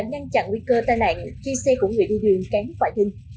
ngăn chặn nguy cơ tai nạn khi xe của người đi đường cánh quả dinh